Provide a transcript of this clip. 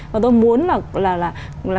và tôi muốn là